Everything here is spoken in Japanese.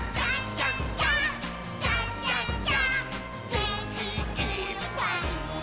「げんきいっぱいもっと」